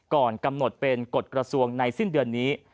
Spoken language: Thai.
ก่อนกำหนดเป็นกฎกระทรวงในสิ้นเดือนนี้